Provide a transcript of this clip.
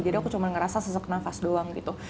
jadi aku cuma ngerasa sesek nafas doang gitu